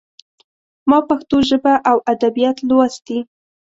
ما پښتو ژبه او ادبيات لوستي.